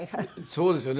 そうですよね。